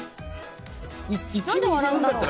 何で笑うんだろう。